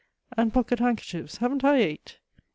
^' And pocket handkerchiefs ; haven't I eight?